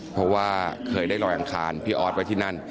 เพราะว่าเคยได้ลอยอังคารพี่ออสไว้ที่นั่น